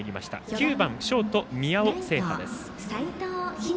９番、ショート、宮尾青波です。